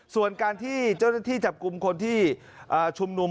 ส่วนการที่เจ้าหน้าที่จับกลุ่มคนที่ชุมนุม